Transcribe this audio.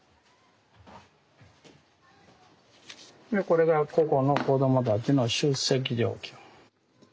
これが個々の子どもたちの出席状況。